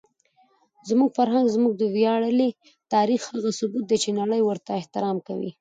زموږ فرهنګ زموږ د ویاړلي تاریخ هغه ثبوت دی چې نړۍ ورته احترام کوي.